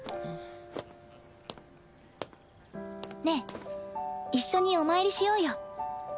ねえ一緒にお参りしようよ。